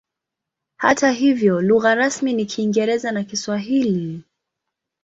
Hata hivyo lugha rasmi ni Kiingereza na Kiswahili.